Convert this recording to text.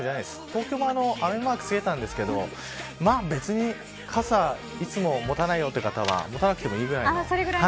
東京も雨マークをつけましたが別に傘、いつも持たないよという方は持たなくてもいいぐらいの。